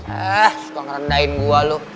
ah suka ngerendahin gua lu